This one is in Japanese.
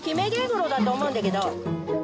だと思うんだけど。